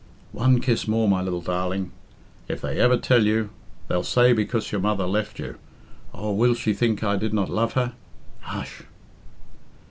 "One kiss more, my little darling. If they ever tell you... they'll say because your mother left you... Oh, will she think I did not love her? Hush!"